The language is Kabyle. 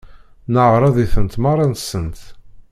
Neεreḍ-itent merra-nsent.